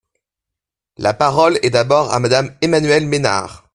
La parole est d’abord à Madame Emmanuelle Ménard.